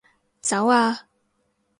走啊